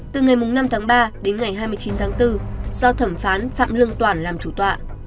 từ ngày năm tháng ba đến ngày hai mươi chín tháng bốn do thẩm phán phạm lương toản làm chủ tọa